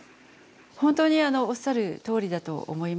本当におっしゃるとおりだと思います。